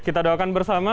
kita doakan bersama